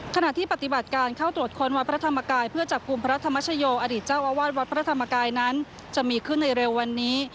ขณะที่ปฏิบัติการเข้าตรวจค้นวัดพระธรรมกายเพื่อจับกลุ่มพระธรรมชโยอดีตเจ้าอาวาสวัดพระธรรมกายนั้นจะมีขึ้นในเร็ววันนี้